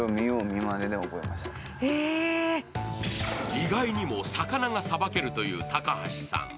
意外にも魚がさばげるという高橋さん。